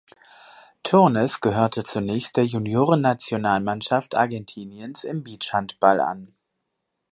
Turnes gehörte zunächst der Juniorennationalmannschaft Argentiniens im Beachhandball an.